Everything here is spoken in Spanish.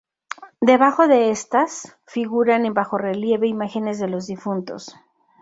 Debajo de estas, figuran en bajorrelieve imágenes de los difuntos.